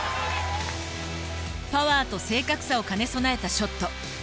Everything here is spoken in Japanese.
パワーと正確さを兼ね備えたショット。